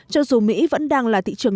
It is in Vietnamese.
cho dù mỹ vẫn đang là thị trường